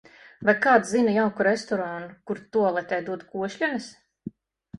Vai kāds zina jauku restorānu kur, tualetē dod košļenes?